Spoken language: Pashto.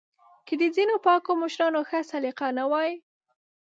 که د ځینو پاکو مشرانو ښه سلیقه نه وای